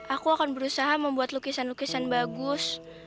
aku akan berusaha membuat lukisan lukisan bagus